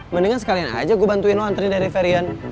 mendingan sekalian aja gue bantuin lo antre dari varian